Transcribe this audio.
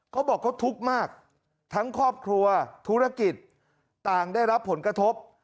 เขาบอกเขาทุกข์มากทั้งครอบครัวธุรกิจต่างได้รับผลกระทบ